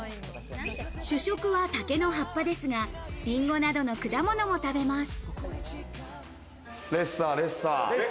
主食は竹の葉っぱですが、リンゴなどの果物も食べます。